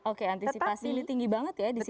oke antisipasi tinggi banget ya disini